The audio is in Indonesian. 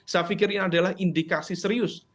saya pikir ini adalah indikasi serius